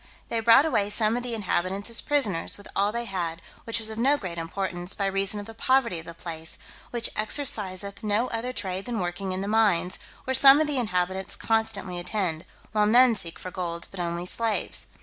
They brought away some of the inhabitants as prisoners, with all they had, which was of no great importance, by reason of the poverty of the place, which exerciseth no other trade than working in the mines, where some of the inhabitants constantly attend, while none seek for gold, but only slaves.